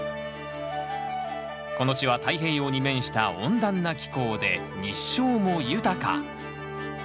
この地は太平洋に面した温暖な気候で日照も豊か。